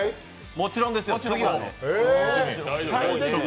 もちろんですよ、次はね。